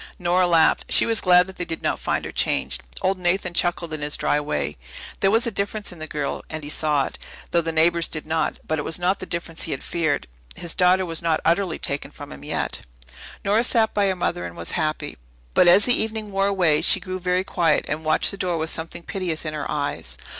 Nora laughed. She was glad that they did not find her changed. Old Nathan chuckled in his dry way. There was a difference in the girl, and he saw it, though the neighbours did not, but it was not the difference he had feared. His daughter was not utterly taken from him yet. Nora sat by her mother and was happy. But as the evening wore away she grew very quiet, and watched the door with something piteous in her eyes.